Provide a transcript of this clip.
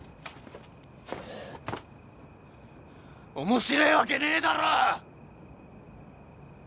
面白えわけねえだろ！